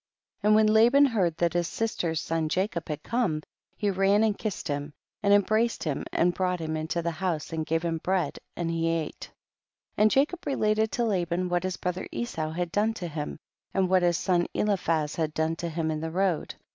10. And when Laban heard that his sister's son Jacob had come, he ran and kissed him and embraced him and brought him into the house and gave him bread, and he ate. 1 1 . And Jacob related to Laban what his brother Esau had done to him, and what his son Eliphaz had done to him in the road.